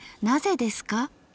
なぜですか』